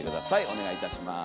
お願いいたします。